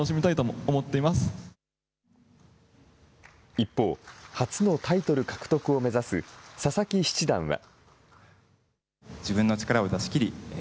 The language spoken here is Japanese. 一方、初のタイトル獲得を目指す佐々木七段は。